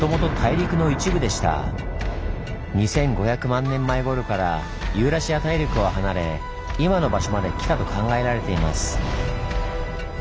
２，５００万年前ごろからユーラシア大陸を離れ今の場所まで来たと考えられています。